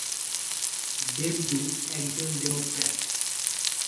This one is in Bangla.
দেবদূত একজন ডেমোক্র্যাট।